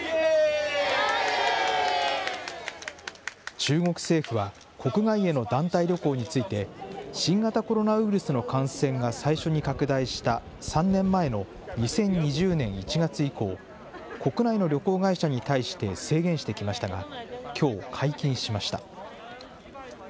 中国政府は、国外への団体旅行について、新型コロナウイルスの感染が最初に拡大した３年前の２０２０年１月以降、国内の旅行会社に対して制限してきましたが、きょう、解禁しました。